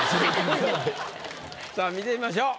さあ見てみましょう。